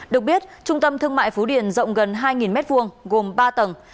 được biết trung tâm thương mại phú điền rộng gần hai m hai gồm ba tầng